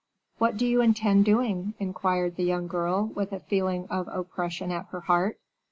'" "What do you intend doing?" inquired the young girl, with a feeling of oppression at her heart.